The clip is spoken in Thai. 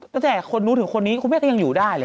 ตั้งแต่คนนู้นถึงคนนี้คุณแม่ก็ยังอยู่ได้เลย